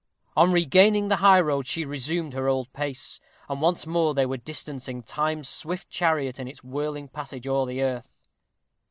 On regaining the high road she resumed her old pace, and once more they were distancing Time's swift chariot in its whirling passage o'er the earth.